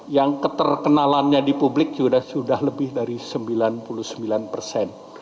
yang keterkenalannya di publik sudah lebih dari sembilan puluh sembilan persen